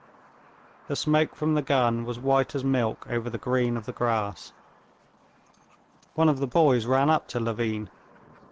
The smoke from the gun was white as milk over the green of the grass. One of the boys ran up to Levin.